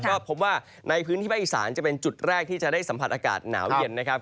ก็พบว่าในพื้นที่ภาคอีสานจะเป็นจุดแรกที่จะได้สัมผัสอากาศหนาวเย็นนะครับ